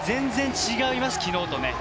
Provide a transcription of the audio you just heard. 全然違います、昨日と。